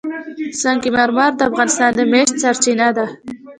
سنگ مرمر د افغانانو د معیشت سرچینه ده.